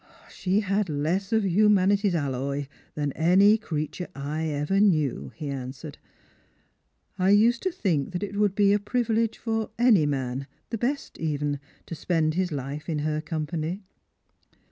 " She had less of humanity's alloy than any creature I ever knew," he answered. " I used to think that it would be a privilege for any man — the best evcci —to spend his life in her company.